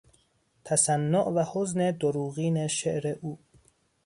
تصنع و حزن دروغین شعر او